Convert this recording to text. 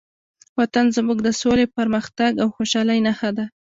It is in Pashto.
وطن زموږ د سولې، پرمختګ او خوشحالۍ نښه ده.